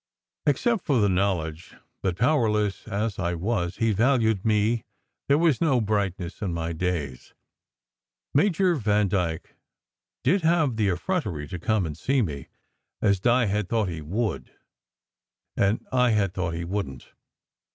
Except for the knowledge that, powerless as I was, he valued me, there was no brightness in my days. Major Vandyke did have the effrontery to come and see me, as Di had thought he would, and I had thought he wouldn t.